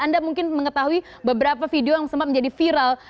anda mungkin mengetahui beberapa video yang sempat menjadi viral